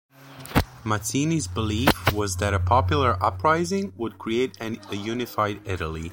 Mazzini's belief was that a popular uprising would create a unified Italy.